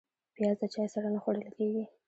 پیاز د چای سره نه خوړل کېږي